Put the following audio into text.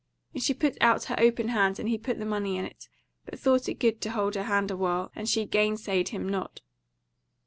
And she put out her open hand and he put the money in it; but thought it good to hold her hand a while, and she gainsayed him not.